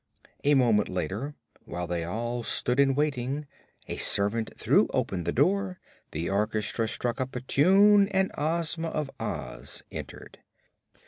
A moment later, while they all stood in waiting, a servant threw open a door, the orchestra struck up a tune and Ozma of Oz entered.